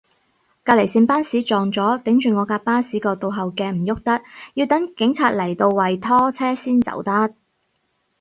隔離線巴士撞咗，頂住我架巴士個倒後鏡唔郁得，要等警察嚟度位拖車先走得